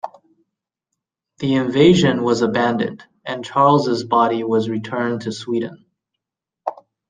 The invasion was abandoned, and Charles' body was returned to Sweden.